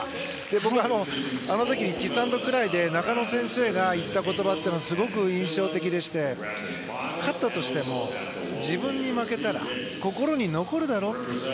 僕、あの時キスアンドクライで中野先生が言った言葉がすごく印象的でして勝ったとしても自分に負けたら心に残るだろと。